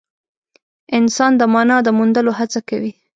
انسان د مانا د موندلو هڅه کوي.